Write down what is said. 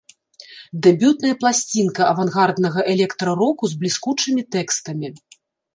Дэбютная пласцінка авангарднага электра-року з бліскучымі тэкстамі.